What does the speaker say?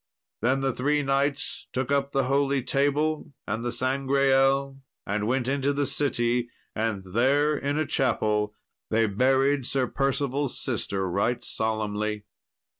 Then the three knights took up the holy table and the Sangreal and went into the city; and there, in a chapel, they buried Sir Percival's sister right solemnly.